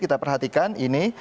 kita perhatikan ini